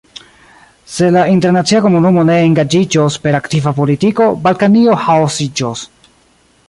Se la internacia komunumo ne engaĝiĝos per aktiva politiko, Balkanio ĥaosiĝos.